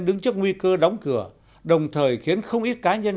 đứng trước nguy cơ đóng cửa đồng thời khiến không ít cá nhân